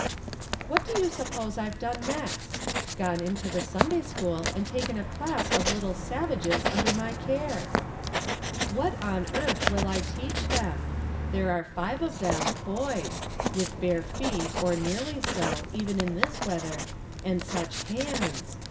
What do you suppose I've done next ? Gone into the Sunday school and taken a class of little savages under my care ! What on earth will I teach them! There are five of them — boys — with bare feet, or nearly so, even in this weather, and such hands